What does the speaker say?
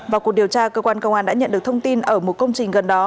vào cuộc điều tra cơ quan công an đã nhận được thông tin ở một công trình gần đó